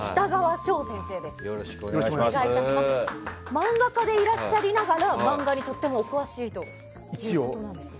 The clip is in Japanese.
漫画家でいらっしゃりながら漫画にとってもお詳しいということなんですね。